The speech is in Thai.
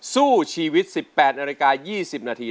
สู้ชีวิต๑๘นาฬิกา๒๐นาที